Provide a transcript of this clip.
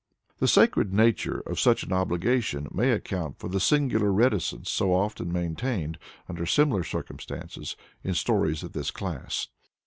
The sacred nature of such an obligation may account for the singular reticence so often maintained, under similar circumstances, in stories of this class.